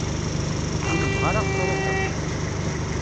Ur nebɣa ara ad ɣ-truḥeḍ.